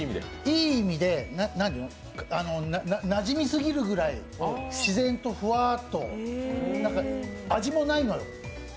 いい意味でなじみすぎるぐらい自然とふわっと、味もないのよ。